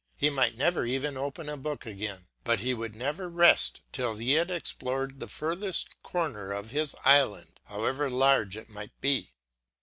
He might never even open a book again; but he would never rest till he had explored the furthest corner of his island, however large it might be.